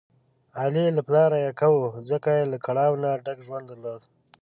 علي له پلاره یکه و، ځکه یې له کړاو نه ډک ژوند درلود.